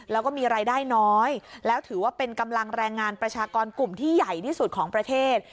แล้วก็มีรายได้น้อยแล้วถือว่าเป็นกำลังแรงงานประชากรกลุ่มที่ใหญ่ที่สุดของประเทศ